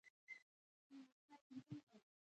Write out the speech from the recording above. شتمن انسان د الله شکر ډېر کوي.